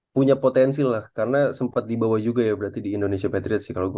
punya potensi lah karena sempat dibawa juga ya berarti di indonesia patriot sih kalau gue